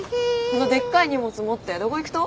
でっかい荷物持ってどこ行くと？